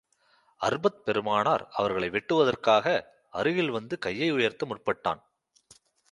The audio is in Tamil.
அர்பத் பெருமானார் அவர்களை வெட்டுவதற்காக, அருகில் வந்து கையை உயர்த்த முற்பட்டான்.